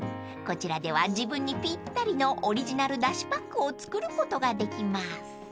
［こちらでは自分にぴったりのオリジナルだしパックを作ることができます］